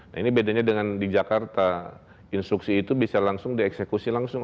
nah ini bedanya dengan di jakarta instruksi itu bisa langsung dieksekusi langsung